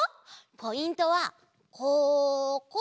ポイントはここ。